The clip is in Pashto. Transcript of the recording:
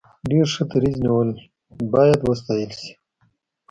ډیر ښه دریځ نیولی باید وستایل شي.